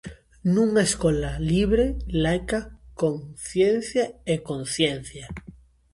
Nunha escola libre, laica, con ciencia e conciencia.